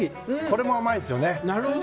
これも甘いんですよね。